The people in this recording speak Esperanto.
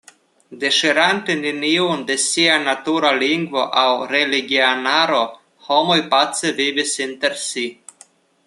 Deŝirante neniun de sia natura lingvo aŭ religianaro, homoj pace vivis inter si.